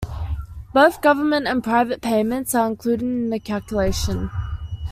Both government and private payments are included in the calculation.